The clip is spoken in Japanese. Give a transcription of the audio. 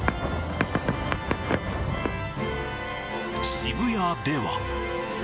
渋谷では。